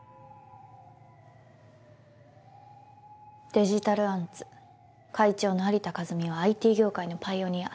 デジタルアンツ会長の蟻田和巳はＩＴ業界のパイオニア。